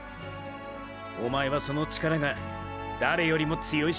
おまえはその力が誰よりも強いショ。